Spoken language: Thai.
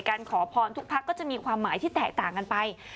ขอพรทุกพักก็จะมีความหมายที่แตกต่างกันไป